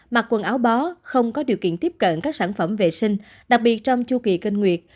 mặc quần áo bó không có điều kiện tiếp cận các sản phẩm vệ sinh đặc biệt trong chu kỳ kinh nguyệt